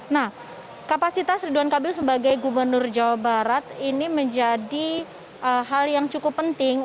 nah kapasitas ridwan kamil sebagai gubernur jawa barat ini menjadi hal yang cukup penting